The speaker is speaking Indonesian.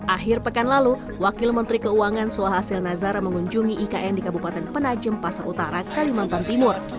akhir pekan lalu wakil menteri keuangan suhasil nazara mengunjungi ikn di kabupaten penajem pasar utara kalimantan timur